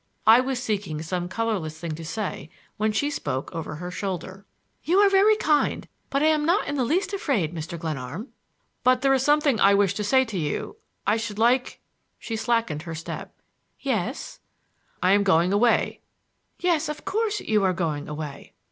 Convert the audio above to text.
I was seeking some colorless thing to say when she spoke over her shoulder: "You are very kind, but I am not in the least afraid, Mr. Glenarm." "But there is something I wish to say to you. I should like—" She slackened her step. "Yes." "I am going away." "Yes; of course; you are going away."